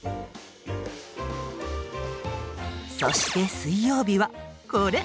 そして水曜日はこれ！